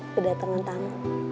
gak dateng nantang